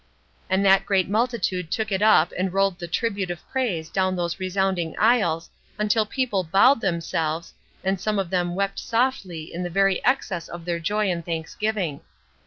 And that great multitude took it up and rolled the tribute of praise down those resounding aisles until people bowed themselves, and some of them wept softly in the very excess of their joy and thanksgiving.